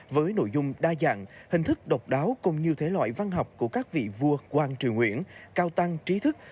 với nội dung đa dạng hình thức độc đáo cùng nhiều thể loại văn học của các vị vua quang triều nguyễn cao tăng trí thức